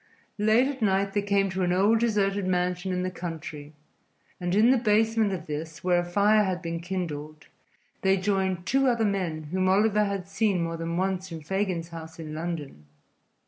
Late at night they came to an old deserted mansion in the country, and in the basement of this, where a fire had been kindled, they joined two other men whom Oliver had seen more than once in Fagin's house in London.